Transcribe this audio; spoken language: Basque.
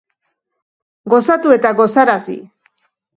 Gozatu eta gozarazi